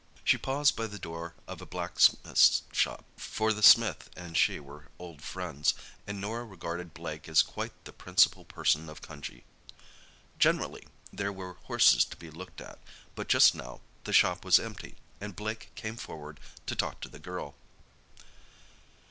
She paused by the door of a blacksmith's shop, for the smith and she were old friends, and Norah regarded Blake as quite the principal person of Cunjee. Generally there were horses to be looked at, but just now the shop was empty, and Blake came forward to talk to the girl.